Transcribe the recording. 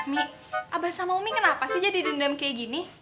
mi abah sama umi kenapa sih jadi dendam kayak gini